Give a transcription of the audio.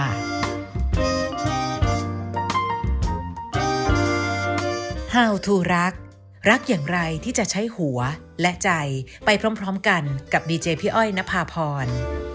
โปรดติดตามตอนต่อไป